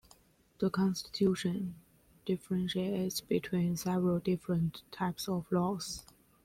The Constitution differentiates between several different types of laws.